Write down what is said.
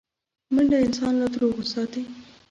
منډه انسان له دروغو ساتي